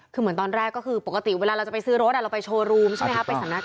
คือเหมือนตอนแรกก็คือปกติเวลาเราจะไปซื้อรถอะเราไปโชว์รูมใช่มั้ยฮะไปสำนักงาน